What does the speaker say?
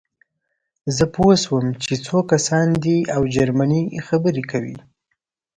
زه پوه شوم چې څو کسان دي او جرمني خبرې کوي